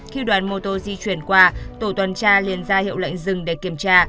khi đoàn mô tô di chuyển qua tổ tuần tra liền ra hiệu lệnh dừng để kiểm tra